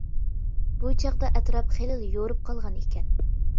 بۇ چاغدا ئەتراپ خېلىلا يورۇپ قالغان ئىكەن.